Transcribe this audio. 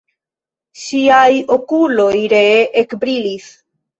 Ŝiaj okuloj ree ekbrilis.